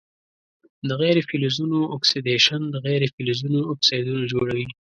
د غیر فلزونو اکسیدیشن د غیر فلزونو اکسایدونه جوړوي.